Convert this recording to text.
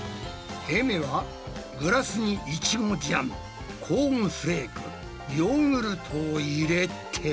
えめはグラスにイチゴジャムコーンフレークヨーグルトを入れて。